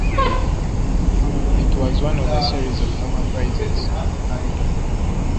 It was one of the series of Noma Prizes.